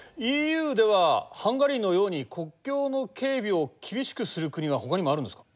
ＥＵではハンガリーのように国境の警備を厳しくする国がほかにもあるんですか？